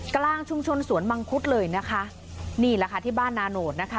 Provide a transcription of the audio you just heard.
กลางชุมชนสวนมังคุดเลยนะคะนี่แหละค่ะที่บ้านนาโนดนะคะ